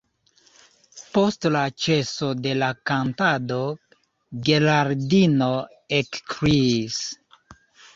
Post la ĉeso de la kantado Geraldino ekkriis: